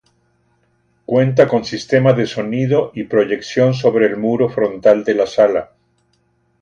Cuenta con sistema de sonido y proyección sobre el muro frontal de la sala.